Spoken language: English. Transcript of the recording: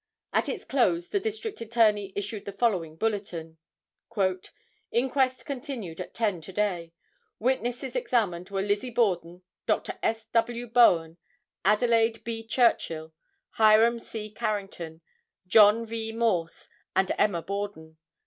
At its close the District Attorney issued the following bulletin: "Inquest continued at 10 to day. Witnesses examined were Lizzie Borden, Dr. S. W. Bowen, Adelaide B. Churchill, Hiram C. Harrington, John V. Morse and Emma Borden.